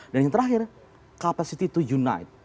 dan yang terakhir capacity to unite